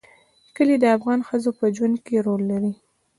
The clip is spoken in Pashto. کلي د افغان ښځو په ژوند کې رول لري.